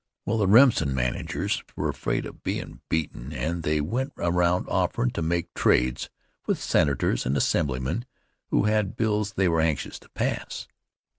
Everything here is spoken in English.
Well, the Remsen managers were afraid of bein' beaten and they went around offerin' to make trades with senators and assemblymen who had bills they were anxious to pass.